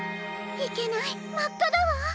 いけないまっかだわ！